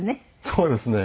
そうですね。